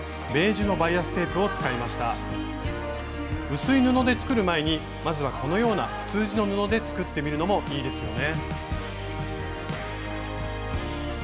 薄い布で作る前にまずはこのような普通地の布で作ってみるのもいいですよね。